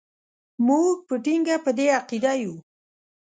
موږ په ټینګه په دې عقیده یو.